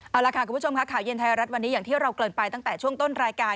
เอาล่ะค่ะคุณผู้ชมค่ะข่าวเย็นไทยรัฐวันนี้อย่างที่เราเกินไปตั้งแต่ช่วงต้นรายการ